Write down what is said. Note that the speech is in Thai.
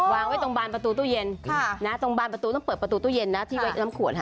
วางไว้ตรงบานประตูตู้เย็นตรงบานประตูต้องเปิดประตูตู้เย็นนะที่ไว้น้ำขวดค่ะ